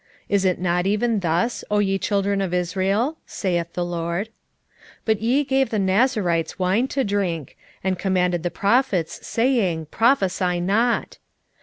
Is it not even thus, O ye children of Israel? saith the LORD. 2:12 But ye gave the Nazarites wine to drink; and commanded the prophets, saying, Prophesy not.